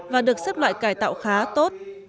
và được xếp loại cải tạo khá tốt